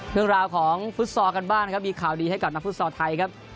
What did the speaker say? เรื่องราวของฟุตซอลกันบ้างนะครับมีข่าวดีให้กับนักฟุตซอลไทยครับ